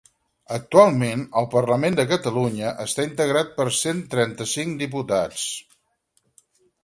Actualment, el Parlament de Catalunya està integrat per cent trenta-cinc diputats.